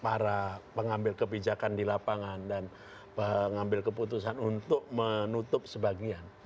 para pengambil kebijakan di lapangan dan pengambil keputusan untuk menutup sebagian